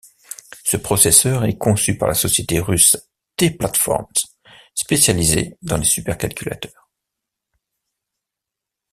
Ce processeur est conçu par la société russe T-Platforms, spécialisée dans les supercalculateurs.